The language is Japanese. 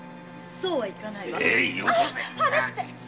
そうはいかないわ。